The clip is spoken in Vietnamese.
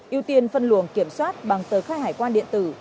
ưu tiên phân luồng kiểm soát bằng tờ khai hải quan điện tử